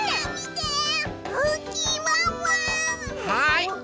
はい。